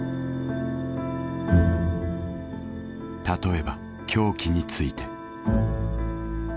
例えば凶器について。